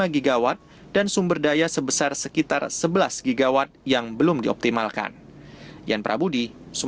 tujuh belas lima gigawatt dan sumber daya sebesar sekitar sebelas gigawatt yang belum dioptimalkan yang prabu di